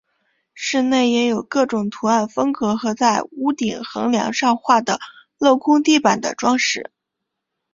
寺内也有各种图案风格和在屋顶横梁上画的镂空地板的装饰。